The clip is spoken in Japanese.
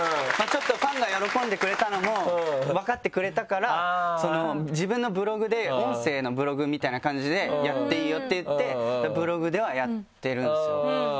ファンが喜んでくれたのも分かってくれたから自分のブログで音声のブログみたいな感じでやっていいよっていってブログではやってるんですよ。